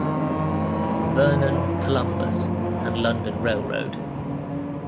Vernon, Columbus and London Railroad.